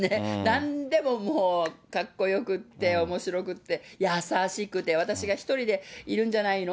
なんでももうかっこよくて、おもしろくて、優しくて、私が１人でいるんじゃないの？